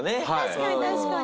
確かに確かに。